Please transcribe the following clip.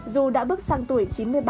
dù đã bước sang tuổi chín mươi ba